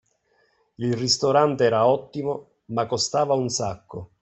Il ristorante era ottimo, ma costava un sacco.